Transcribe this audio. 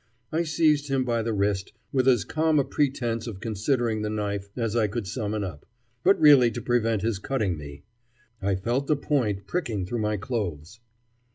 I seized him by the wrist with as calm a pretence of considering the knife as I could summon up, but really to prevent his cutting me. I felt the point pricking through my clothes.